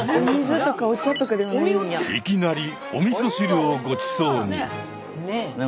いきなりおみそ汁をごちそうに。